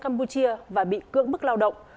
campuchia và bị cưỡng bức lao động